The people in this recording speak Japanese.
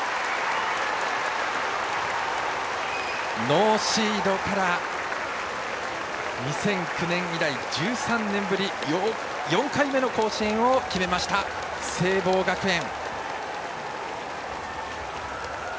ノーシードから２００９年以来１３年ぶり４回目の甲子園を決めました、聖望学園。